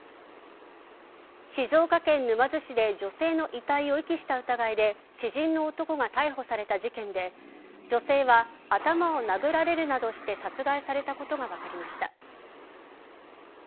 静岡県沼津市で女性の遺体を遺棄した疑いで知人の男が逮捕された事件で女性は頭を殴られるなどして殺害されたことが分かりました。